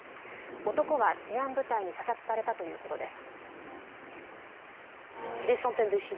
男は治安部隊に射殺されたということです。